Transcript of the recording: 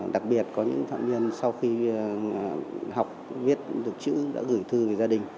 đặc biệt có những phạm nhân sau khi học viết được chữ đã gửi thư về gia đình